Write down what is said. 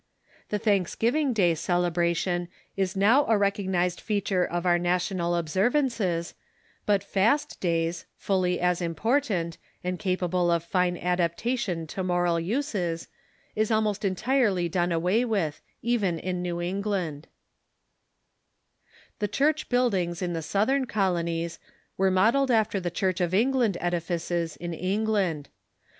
The Thanksgiving Day celebration is now a recognized feature of our national observances, but fast days, fully as important, and capable of fine adaptation to moral uses, is almost entirely done aAvay with, even in New England, The church buildings in the Southern colonies were mod elled after the Church of England edifices in England.